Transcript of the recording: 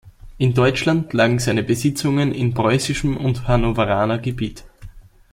In Deutschland lagen seine Besitzungen in preußischem und hannoveraner Gebiet.